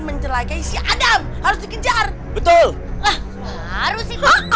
mencelakai si adam harus dikejar betul harus